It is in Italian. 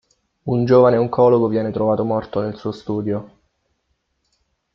Un giovane oncologo viene trovato morto nel suo studio.